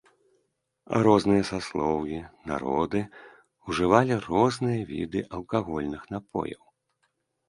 Розныя саслоўі, народы ўжывалі розныя віды алкагольных напояў.